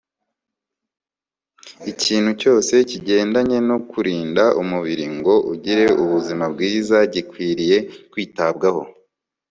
ikintu cyose kigendanye no kurinda umubiri ngo ugire ubuzima bwiza gikwiriye kwitabwaho